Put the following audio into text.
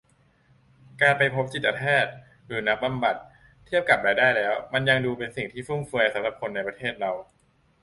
การไปพบจิตแพทย์หรือนักบำบัด เทียบกับรายได้แล้วมันยังดูเป็นสิ่งฟุ่มเฟือยสำหรับคนในประเทศเรา